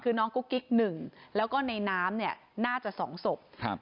คือน้องกุ๊กกิ๊กหนึ่งแล้วก็ในน้ำเนี่ยน่าจะสองศพครับ